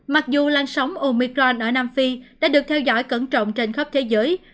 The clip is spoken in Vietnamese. mặc dù lan sóng omicron ở nam phi đã được theo dõi cẩn trọng trên khắp thế giới